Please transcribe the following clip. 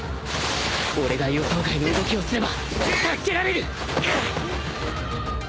俺が予想外の動きをすれば助けられる